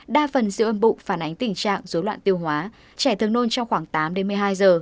đa phần siêu âm bụng phản ánh tình trạng dối loạn tiêu hóa trẻ thường nôn trong khoảng tám đến một mươi hai giờ